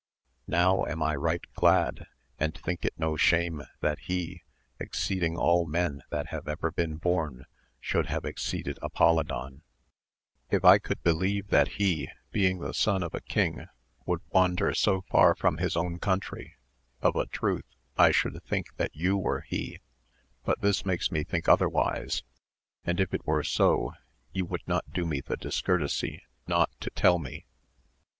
now am I right glad, and think it no shame that he, exceeding all men that have ever been bom, should have exceeded Apolidon ; if I could beUeve that he, being the son of a king, would wander so far from his own country, of a truth I should think that you were he, but this makes me think otherwise, and if it were so you would not do me the discourtesy not to tell me.